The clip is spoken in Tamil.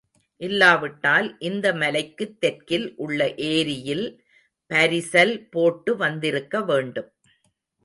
இல்லாவிட்டால் இந்த மலைக்குத் தெற்கில் உள்ள ஏரியில் பரிசல் போட்டு வந்திருக்கவேண்டும்.